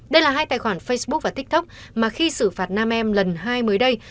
đây là hai tài khoản facebook và tiktok mà khi xử phạt nam em lần hai mới đây